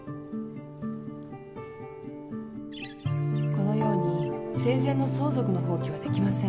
このように生前の相続の放棄はできません。